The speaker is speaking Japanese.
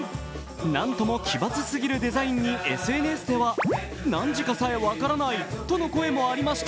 何とも奇抜すぎるデザインにＳＮＳでは何時かさえ分からないとの声もありました。